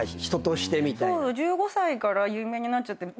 １５歳から有名になっちゃってる。